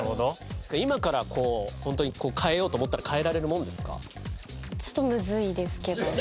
今からこうホントに変えようと思ったら変えられるもんですか？